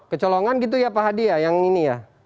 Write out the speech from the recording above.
kecolongan gitu ya pak hadi ya yang ini ya